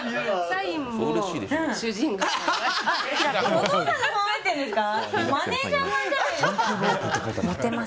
お父さんが考えてるんですか？